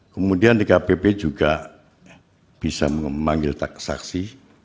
kemudian di kpp juga bisa memanggil saksi